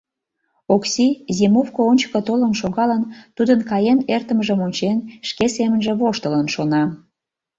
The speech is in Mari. Окси, зимовко ончыко толын шогалын, тудын каен эртымыжым ончен, шке семынже воштылын шона: